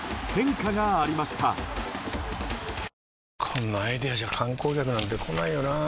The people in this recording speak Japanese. こんなアイデアじゃ観光客なんて来ないよなあ